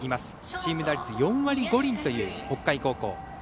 チーム打率４割５厘という北海高校。